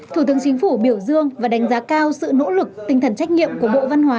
thủ tướng chính phủ biểu dương và đánh giá cao sự nỗ lực tinh thần trách nhiệm của bộ văn hóa